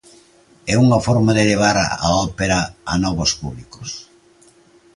É unha forma de levar a ópera a novos públicos?